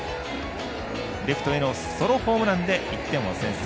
レフトへのソロホームランで１点を先制。